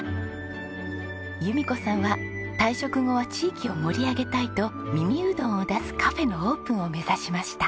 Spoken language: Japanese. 由美子さんは退職後は地域を盛り上げたいと耳うどんを出すカフェのオープンを目指しました。